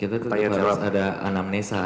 kita tetap harus ada anamnesa